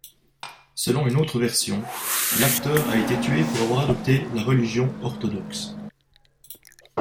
Selon une autre version, l'acteur a été tué pour avoir adopté la religion orthodoxe.